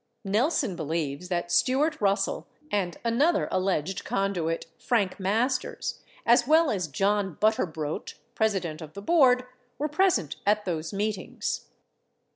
18 Nelson believes that Stuart Russell and another alleged conduit, Frank Masters, as well as John Butterbrodt, president of the board, were present at those meetings.